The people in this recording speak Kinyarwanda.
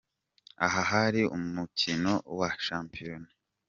Aha hari mu mukino wa shampiyona.